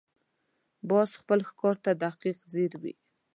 باز خپل ښکار ته دقیق ځیر وي